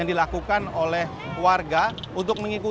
mengapain mereka rude mereka